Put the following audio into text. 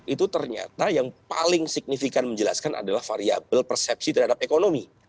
itu ternyata yang paling signifikan menjelaskan adalah variable persepsi terhadap ekonomi